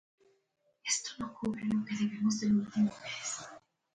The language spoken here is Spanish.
Existe una fobia grupal característica.